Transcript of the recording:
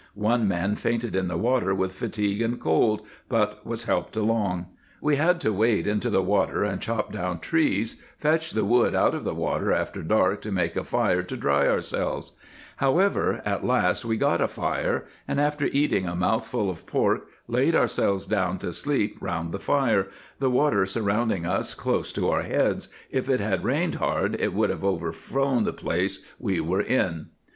.. One man fainted in the water with fatigue and cold, but was helped along. We had to wade into the water, and chop down trees, fetch the wood out of the water after dark to make a fire to dry ourselves ; however, at last we iW. Feltman's Journal, p. 37. [ 202 ] The Army in Motion got a fire, and after eating a mouthful of pork, laid ourselves down to sleep round the fire, the water surrounding us close to our heads ; if it had rained hard it would have overflown the place we were in."